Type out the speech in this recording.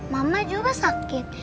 mama juga sakit